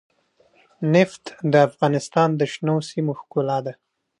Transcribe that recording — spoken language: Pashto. نفت د افغانستان د شنو سیمو ښکلا ده.